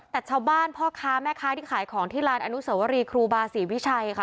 แต่ชาวบ้านพ่อค้าแม่ค้าที่ขายของที่ลานอนุสวรีครูบาศรีวิชัยค่ะ